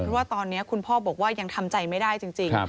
เพราะว่าตอนนี้คุณพ่อบอกว่ายังทำใจไม่ได้จริง